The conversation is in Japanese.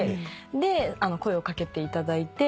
で声を掛けていただいて。